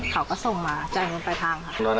เขาก็ส่งมาจ่ายงานไปภังค่ะ